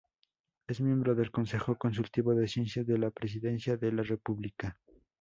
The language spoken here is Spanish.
Es miembro del Consejo Consultivo de Ciencias de la Presidencia de la República.